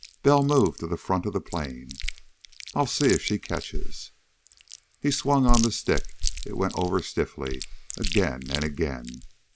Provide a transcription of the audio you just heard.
Bell moved to the front of the plane. "I'll see if she catches." He swung on the stick. It went over stiffly. Again, and again.